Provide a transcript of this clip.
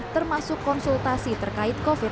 termasuk konsultasi terkait covid sembilan belas